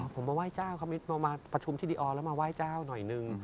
ผมมาไหว้เจ้าครับมาประชุมที่ดีออแล้วมาไหว้เจ้าหน่อยนึง